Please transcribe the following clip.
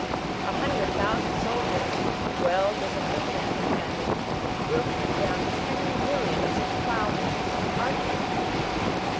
A hundred thousand soldiers, well disciplined and commanded, will keep down ten millions of ploughmen and artisans.